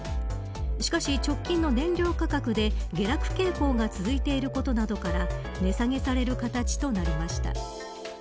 しかし、直近の燃料価格で下落傾向が続いていることなどから値下げされる形となりました。